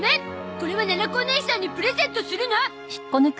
これはななこおねいさんにプレゼントするの！